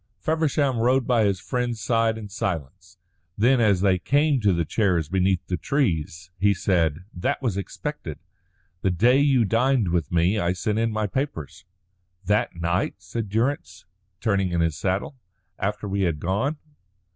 Feversham rode by his friend's side in silence. Then, as they came to the chairs beneath the trees, he said: "That was expected. The day you dined with me I sent in my papers." "That night?" said Durrance, turning in his saddle. "After we had gone?"